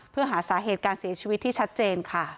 เพื่อหาสาเหตุการเสียชีวิตที่ชัดเจนค่ะ